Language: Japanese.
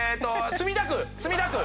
墨田区！